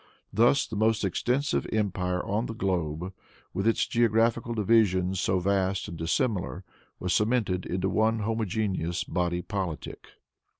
Thus the most extensive empire on the globe, with its geographical divisions so vast and dissimilar, was cemented into one homogeneous body politic.